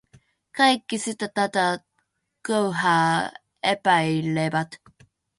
Kaikki sitä tätä köyhää epäilevät.